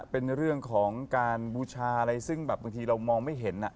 เป็นเรื่องของการบูชาอะไรซึ่งแบบบางทีเรามองไม่เห็น